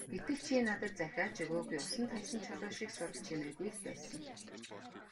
Гэтэл чи надад захиа ч өгөөгүй, усанд хаясан чулуу шиг сураг чимээгүй л байсан.